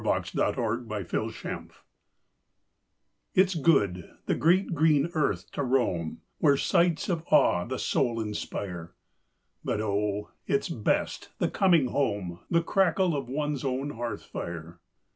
The Joy of Little Things It's good the great green earth to roam, Where sights of awe the soul inspire; But oh, it's best, the coming home, The crackle of one's own hearth fire!